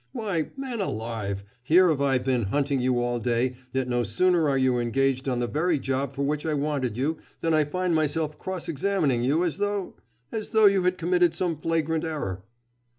Why, man alive, here have I been hunting you all day, yet no sooner are you engaged on the very job for which I wanted you, than I find myself cross examining you as though as though you had committed some flagrant error."